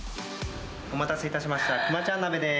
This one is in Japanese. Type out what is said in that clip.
お待たせいたしました。